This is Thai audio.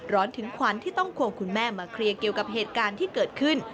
ร้อนถึงขวัญที่ต้องควงคุณแม่มาเคลียร์เกี่ยวกับเหตุการณ์ที่เกิดขึ้น